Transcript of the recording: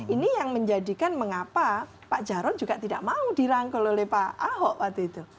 ini yang menjadikan mengapa pak jarod juga tidak mau dirangkul oleh pak ahok waktu itu